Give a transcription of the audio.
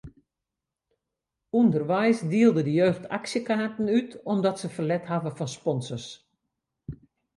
Underweis dielde de jeugd aksjekaarten út omdat se ferlet hawwe fan sponsors.